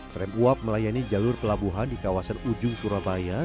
tram uap melayani jalur pelabuhan di kawasan ujung surabaya